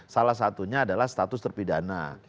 salah satunya adalah status terpidana